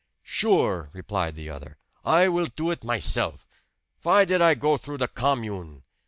"Sure!" replied the other. "I will do it myself. Vy did I go through the Commune?"